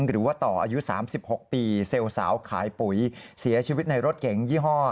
หรือว่าต่ออายุ๓๖ปีเซลล์สาวขายปุ๋ยเสียชีวิตในรถเก๋งยี่ห้อ